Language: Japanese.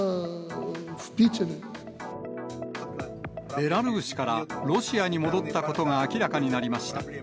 ベラルーシからロシアに戻ったことが明らかになりました。